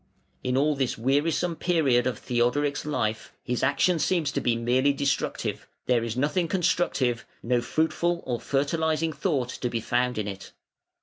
In all this wearisome period of Theodoric's life his action seems to be merely destructive; there is nothing constructive, no fruitful or fertilising thought to be found in it.